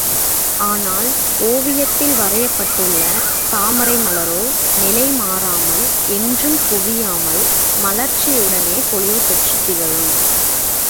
ஆனால் ஓவியத்தில் வரையப்பட்டுள்ள தாமரை மலரோ நிலை மாறாமல் என்றும் குவியாமல் மலர்ச்சியுடனேயே பொலிவு பெற்றுத் திகழும்.